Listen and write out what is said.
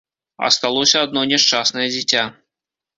Асталося адно няшчаснае дзіця.